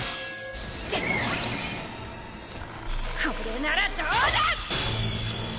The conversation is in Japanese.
これならどうだ！！